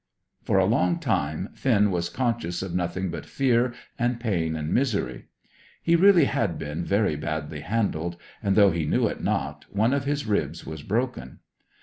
For a long time Finn was conscious of nothing but fear, and pain, and misery. He really had been very badly handled, and, though he knew it not, one of his ribs was broken.